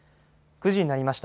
９時になりました。